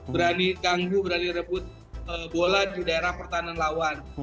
berani ganggu berani rebut bola di daerah pertahanan lawan